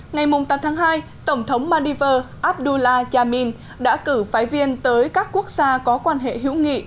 ngày tám tháng hai tổng thống maldivesdullah yamin đã cử phái viên tới các quốc gia có quan hệ hữu nghị